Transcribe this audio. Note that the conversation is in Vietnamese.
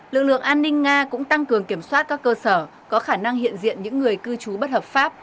lực lượng an ninh nga cũng tăng cường kiểm soát các cơ sở có khả năng hiện diện những người cư trú bất hợp pháp